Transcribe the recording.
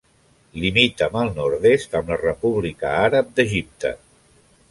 Limita al nord-est amb la República Àrab d'Egipte.